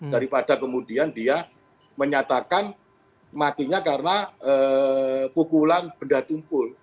daripada kemudian dia menyatakan matinya karena pukulan benda tumpul